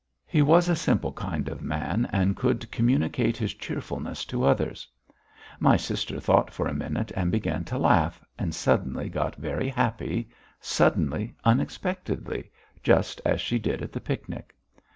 He was a simple kind of man and could communicate his cheerfulness to others. My sister thought for a minute and began to laugh, and suddenly got very happy, suddenly, unexpectedly, just as she did at the picnic.